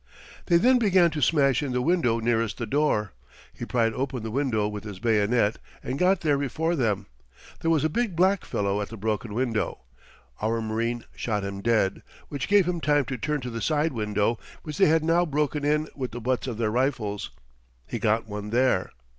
They then began to smash in the window nearest the door. He pried open the window with his bayonet, and got there before them. There was a big black fellow at the broken window. Our marine shot him dead, which gave him time to turn to the side window, which they had now broken in with the butts of their rifles. He got one there.